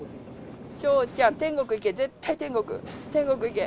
ちゃん、天国行け、絶対天国、天国行け。